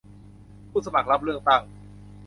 ผู้สมัครรับเลือกตั้ง